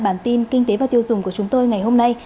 bản tin kinh tế và tiêu dùng của chúng tôi ngày hôm nay